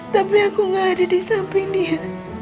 tapi aku gak ada disamping dia